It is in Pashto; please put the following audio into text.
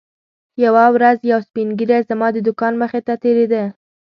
یوه ورځ یو سپین ږیری زما د دوکان مخې ته تېرېده.